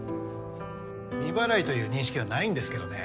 未払いという認識はないんですけどね。